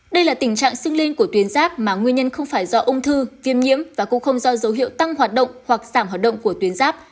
đây là tình trạng sưng linh của tuyến giáp mà nguyên nhân không phải do ung thư viêm nhiễm và cũng không do dấu hiệu tăng hoạt động hoặc giảm hoạt động của tuyến ráp